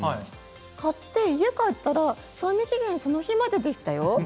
買って家に帰ったら賞味期限その日まででしたよ。